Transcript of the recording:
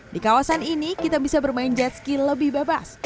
di kawasan ini kita bisa bermain jetski lebih bebas